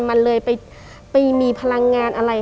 มันเลยไปมีพลังงานอะไร